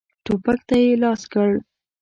ټوپک ته یې لاس کړ.